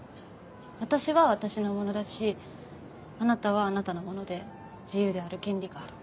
私は私のものだしあなたはあなたのもので自由である権利がある。